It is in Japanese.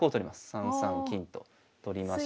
３三金と取りまして。